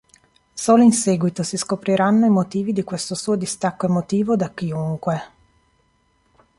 Solo in seguito si scopriranno i motivi di questo suo distacco emotivo da chiunque.